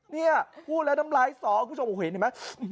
เนี่ยพูดแล้วทำลาย๒คุณผู้ชมโอ้โฮเห็นไหม